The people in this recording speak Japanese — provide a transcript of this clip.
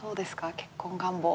結婚願望。